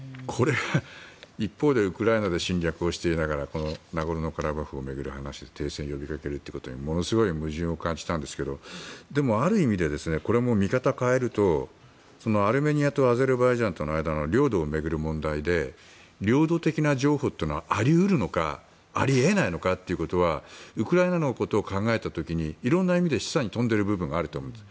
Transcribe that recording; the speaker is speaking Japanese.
一方でウクライナで侵略をしていながらナゴルノカラバフを巡る争いでは停戦を呼びかけるということにものすごい矛盾を感じたんですけどでも、ある意味でこれも見方を変えるとアルメニアとアゼルバイジャンとの間の領土を巡る問題で領土的な譲歩というのはあり得るのかあり得ないのかというのはウクライナのことを考えた時にいろんな意味で示唆に富んでる部分があると思うんです。